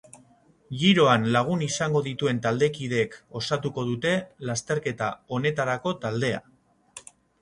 Giroan lagun izango dituen taldekideek osatuko dute lasterketa honetarako taldea.